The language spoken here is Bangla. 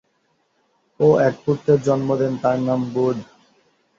ও এক পুত্রের জন্ম দেন তার নাম বুধ।